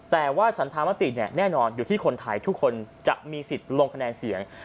แต่ว่าฉันธรรมติเนี่ยแน่นอนอยู่ที่คนไทยทุกคนจะมีสิทธิ์ลงคะแนนเสียง